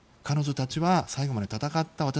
彼女たちは最後まで戦った。